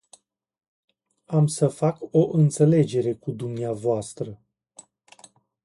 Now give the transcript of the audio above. Am să fac o înțelegere cu dvs.